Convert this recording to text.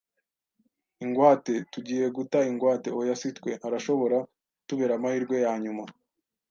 ingwate? Tugiye guta ingwate? Oya, si twe; arashobora kutubera amahirwe yanyuma,